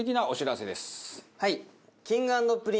はい。